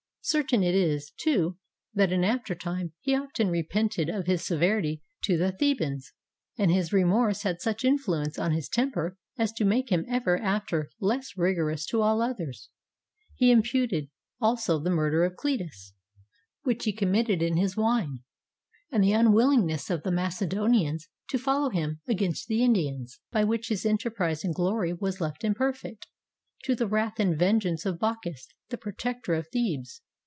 Certain it is, too, that in after time he often repented of his severity to the Thebans, and his remorse had such influence on his temper as to make him ever after less rigorous to all others. He im puted also the murder of Clitus, which he committed in his wine, and the unwillingness of the Macedonians to follow him against the Indians, by which his enterprise and glory was left imperfect, to the wrath and ven geance of Bacchus, the protector of Thebes.